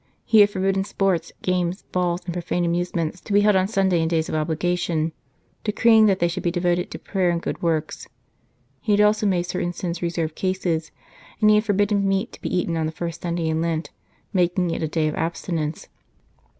He had forbidden sports, games, balls, and profane amusements, to be held on Sunday and days of obligation, decree ing that they should be devoted to prayer and good works. He had also made certain sins reserved cases, and he had forbidden meat to be eaten on the first Sunday in Lent, making it a day of abstinence.